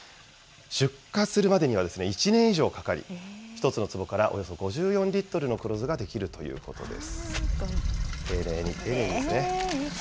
出荷するまでには１年以上かかり、１つのつぼからおよそ５４リットルの黒酢ができるということです。